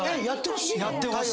やってほしい。